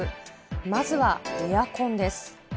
まずはエアコンです。